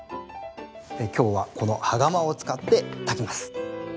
今日はこの羽釜を使って炊きます。